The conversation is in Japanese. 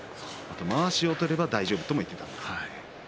まわしを取れば大丈夫と言っていました。